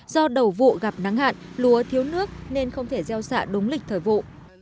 do đầu vụ gặp nắng hạn lúa thiếu nước nên không thể gieo xạ đúng lịch thời vụ